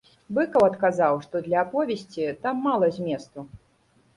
Быкаў адказаў, што для аповесці там мала зместу.